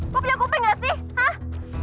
lo punya kuping nggak sih hah